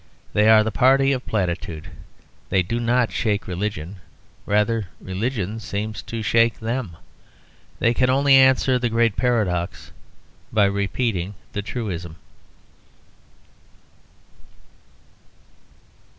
They are the party of platitude. They do not shake religion: rather religion seems to shake them. They can only answer the great paradox by repeating the truism.